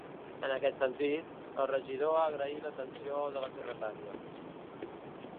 En aquest sentit, el regidor ha agraït l’atenció de la secretària.